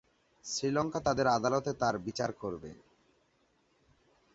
শ্রীলঙ্কা তাদের আদালতে তার বিচার করবে।